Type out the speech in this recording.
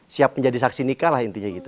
siap menjadi saksi nikah lah intinya gitu